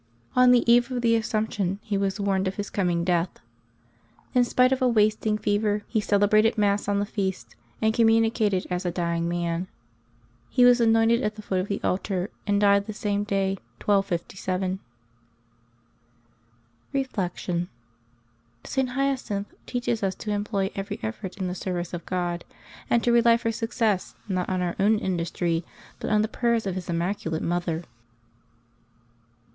On the eve of the Assumption he was warned of his coming death. In spite of a wasting fever, he cele brated Mass on the feast, and communicated as a dying man. He was anointed at the foot of the altar, and died the same day, 1257. Reflection. — St. Hyacinth teaches us to employ every effort in the service of God, and to rely for success not on our own industry, but on the prayer of His Immaculate Mother.